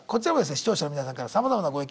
視聴者の皆さんからさまざまなご意見ございましたよ。